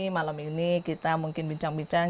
malam ini kita mungkin bincang bincang